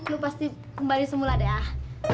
lu pasti kembali semula deh ya